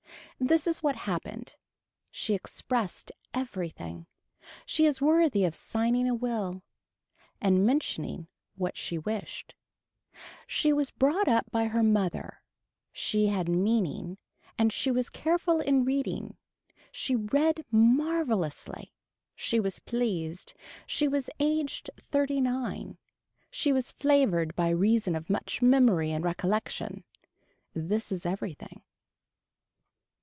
This is what happened. She expressed everything. She is worthy of signing a will. And mentioning what she wished. She was brought up by her mother. She had meaning and she was careful in reading. She read marvelously. She was pleased. She was aged thirty nine. She was flavored by reason of much memory and recollection. This is everything.